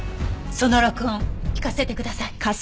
その録音聞かせてください。